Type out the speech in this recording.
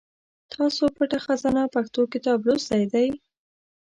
تاسو پټه خزانه پښتو کتاب لوستی دی ؟